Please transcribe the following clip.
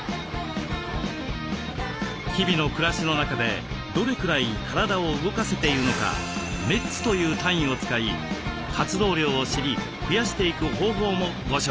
日々の暮らしの中でどれくらい体を動かせているのか「メッツ」という単位を使い活動量を知り増やしていく方法もご紹介します。